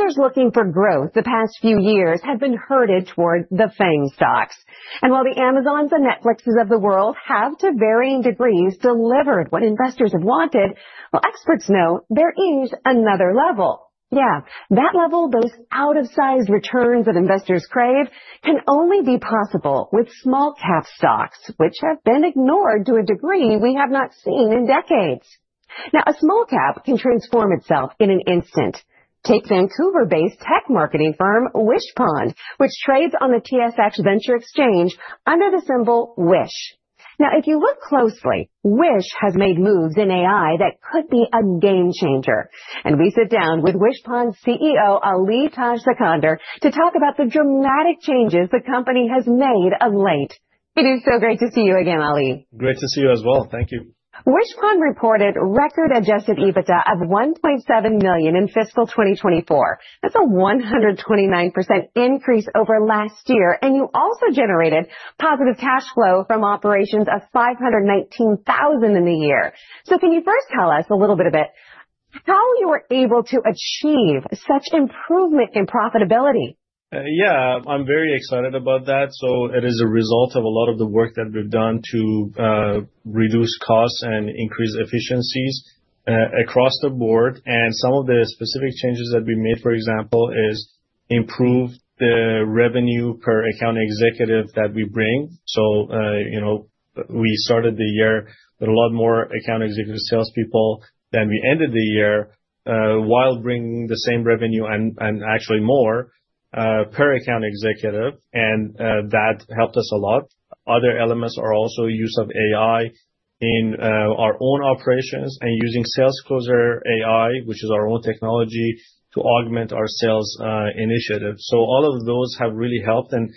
Investors looking for growth the past few years have been herded toward the FANG stocks. While the Amazon and Netflix of the world have, to varying degrees, delivered what investors have wanted, well, experts know there is another level. Yeah, that level, those out-of-size returns that investors crave, can only be possible with small-cap stocks, which have been ignored to a degree we have not seen in decades. A small cap can transform itself in an instant. Take Vancouver-based tech marketing firm Wishpond, which trades on the TSX Venture Exchange under the symbol WISH. If you look closely, WISH has made moves in AI that could be a game-changer. We sit down with Wishpond's CEO, Ali Tajskandar, to talk about the dramatic changes the company has made of late. It is so great to see you again, Ali. Great to see you as well. Thank you. Wishpond reported record adjusted EBITDA of 1.7 million in fiscal 2024. That's a 129% increase over last year, and you also generated positive cash flow from operations of 519,000 in the year. Can you first tell us a little bit about how you were able to achieve such improvement in profitability? Yeah, I'm very excited about that. It is a result of a lot of the work that we've done to reduce costs and increase efficiencies across the board. Some of the specific changes that we made, for example, is improve the revenue per account executive that we bring. We started the year with a lot more account executive salespeople than we ended the year, while bringing the same revenue and actually more, per account executive, and that helped us a lot. Other elements are also use of AI in our own operations and using SalesCloser AI, which is our own technology, to augment our sales initiatives. All of those have really helped, and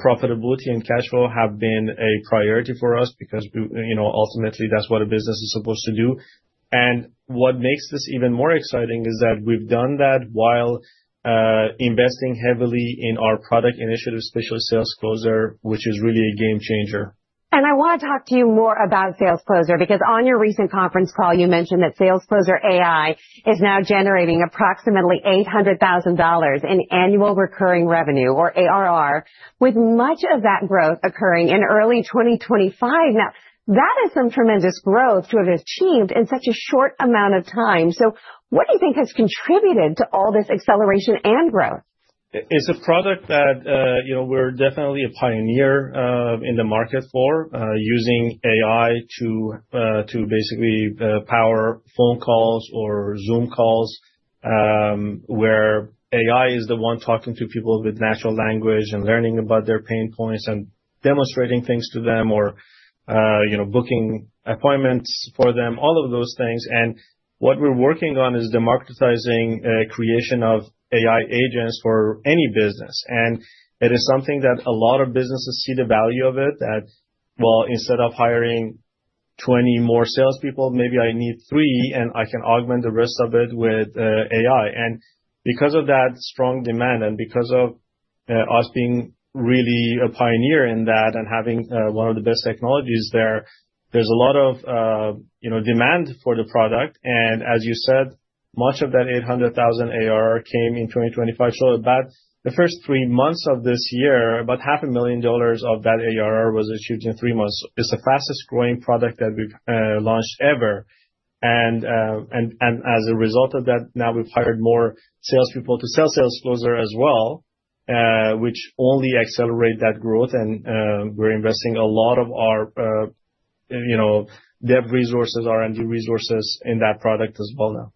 profitability and cash flow have been a priority for us because ultimately, that's what a business is supposed to do. What makes this even more exciting is that we've done that while investing heavily in our product initiatives, especially SalesCloser AI, which is really a game-changer. I want to talk to you more about SalesCloser AI, because on your recent conference call, you mentioned that SalesCloser AI is now generating approximately 800,000 dollars in annual recurring revenue, or ARR, with much of that growth occurring in early 2025. That is some tremendous growth to have achieved in such a short amount of time. What do you think has contributed to all this acceleration and growth? It's a product that we're definitely a pioneer in the market for, using AI to basically power phone calls or Zoom calls, where AI is the one talking to people with natural language and learning about their pain points and demonstrating things to them or booking appointments for them, all of those things. What we're working on is democratizing creation of AI agents for any business. It is something that a lot of businesses see the value of it, that, well, instead of hiring 20 more salespeople, maybe I need three, and I can augment the rest of it with AI. Because of that strong demand and because of us being really a pioneer in that and having one of the best technologies there's a lot of demand for the product, and as you said, much of that 800,000 ARR came in 2025. About the first three months of this year, about half a million dollars of that ARR was achieved in three months. It's the fastest-growing product that we've launched ever. As a result of that, now we've hired more salespeople to sell SalesCloser AI as well, which only accelerate that growth. We're investing a lot of our dev resources, R&D resources in that product as well now.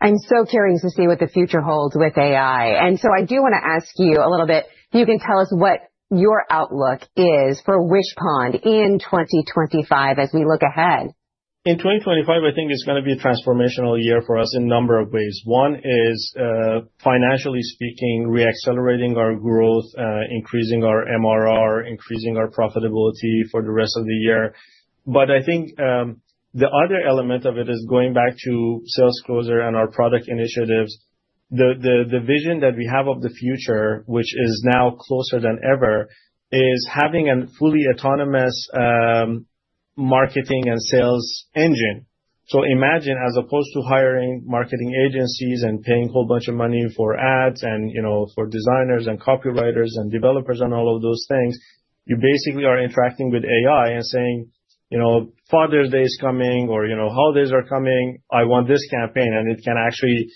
I'm so curious to see what the future holds with AI. I do want to ask you a little bit if you can tell us what your outlook is for Wishpond in 2025 as we look ahead. In 2025, I think it's going to be a transformational year for us in a number of ways. One is, financially speaking, re-accelerating our growth, increasing our MRR, increasing our profitability for the rest of the year. I think the other element of it is going back to SalesCloser AI and our product initiatives. The vision that we have of the future, which is now closer than ever, is having a fully autonomous marketing and sales engine. Imagine, as opposed to hiring marketing agencies and paying a whole bunch of money for ads and for designers and copywriters and developers and all of those things, you basically are interacting with AI and saying, "Father's Day is coming," or, "Holidays are coming. I want this campaign." It can actually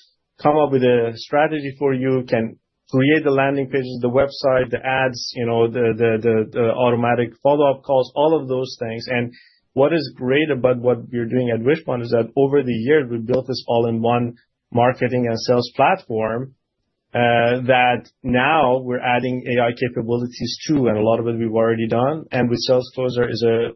come up with a strategy for you, can create the landing pages, the website, the ads, the automatic follow-up calls, all of those things. What is great about what we're doing at Wishpond is that over the years, we've built this all-in-one marketing and sales platform, that now we're adding AI capabilities, too, and a lot of it we've already done. With SalesCloser AI is a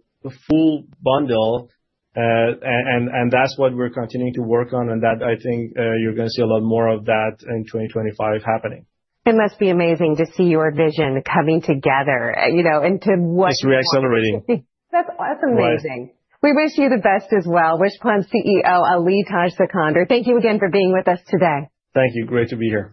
full bundle, and that's what we're continuing to work on, and that I think you're going to see a lot more of that in 2025 happening. It must be amazing to see your vision coming together into what you-? It's re-accelerating. That's amazing. Right. We wish you the best as well. Wishpond's CEO, Ali Tajskandar, thank you again for being with us today. Thank you. Great to be here.